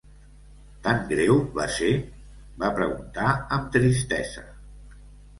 "Tan greu va ser?", va preguntar amb tristesa.